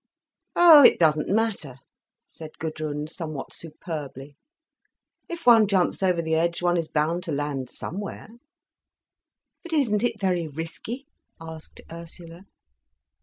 "Oh, it doesn't matter," said Gudrun, somewhat superbly. "If one jumps over the edge, one is bound to land somewhere." "But isn't it very risky?" asked Ursula.